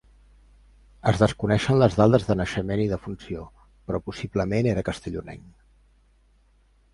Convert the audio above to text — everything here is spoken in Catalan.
Es desconeixen les dades de naixement i defunció, però possiblement era castellonenc.